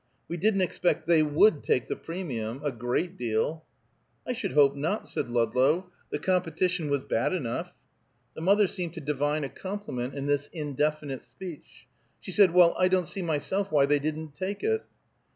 We didn't expect they would take the premium, a great deal." "I should hope not," said Ludlow. "The competition was bad enough." The mother seemed to divine a compliment in this indefinite speech. She said: "Well, I don't see myself why they didn't take it."